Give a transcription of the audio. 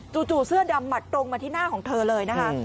จู่เสื้อดำหมัดตรงมาที่หน้าของเธอเลยนะคะ